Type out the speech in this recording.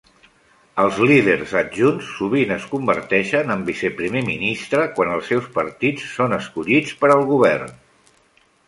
Els líders adjunts sovint es converteixen en viceprimer ministre quan els seus partits són escollits per al Govern.